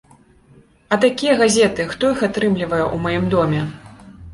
А такія газеты, хто іх атрымлівае ў маім доме?